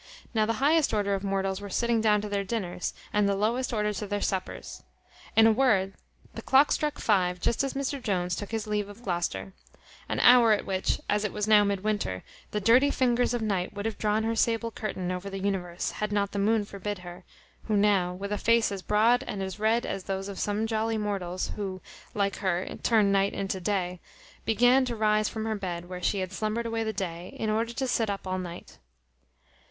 Now the highest order of mortals were sitting down to their dinners, and the lowest order to their suppers. In a word, the clock struck five just as Mr Jones took his leave of Gloucester; an hour at which (as it was now mid winter) the dirty fingers of Night would have drawn her sable curtain over the universe, had not the moon forbid her, who now, with a face as broad and as red as those of some jolly mortals, who, like her, turn night into day, began to rise from her bed, where she had slumbered away the day, in order to sit up all night.